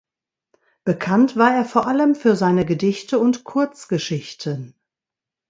Bekannt war er vor allem für seine Gedichte und Kurzgeschichten.